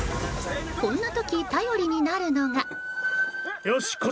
こんな時、頼りになるのが。